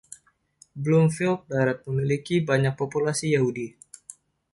Bloomfield Barat memiliki banyak populasi Yahudi.